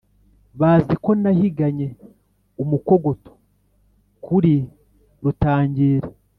bazi ko nahiganye umukogoto kuri rutangira,